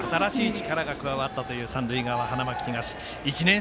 新しい力が加わったという三塁側、花巻東。